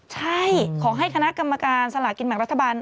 ใช่ขอให้คณะกรรมการสลากินแบ่งรัฐบาล